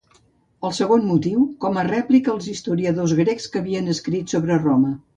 El segon motiu, com a rèplica als historiadors grecs que havien escrit sobre Roma.